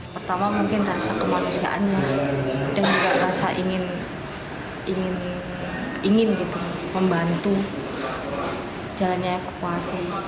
pertama mungkin rasa kemanusiaannya dan juga rasa ingin membantu jalannya evakuasi